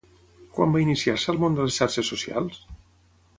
Quan va iniciar-se al món de les xarxes socials?